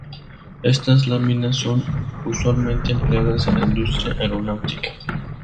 Estas láminas son usualmente empleadas en la industria aeronáutica.